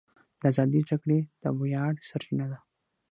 د ازادۍ جګړې د ویاړ سرچینه ده.